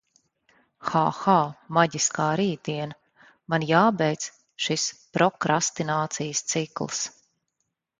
Ha ha maģiskā rītdiena, man jābeidz šis prokrastinācijas cikls.